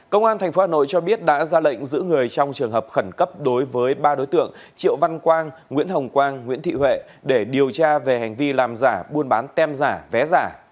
công an tp hà nội cho biết đã ra lệnh giữ người trong trường hợp khẩn cấp đối với ba đối tượng triệu văn quang nguyễn hồng quang nguyễn thị huệ để điều tra về hành vi làm giả buôn bán tem giả vé giả